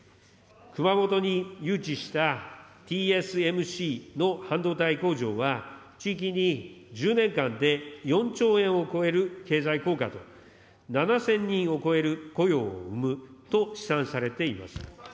熊本に誘致した、ＴＳＭＣの半導体工場は、地域に１０年間で４兆円を超える経済効果と、７０００人を超える雇用を生むと試算されています。